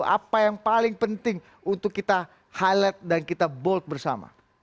apa yang paling penting untuk kita highlight dan kita bold bersama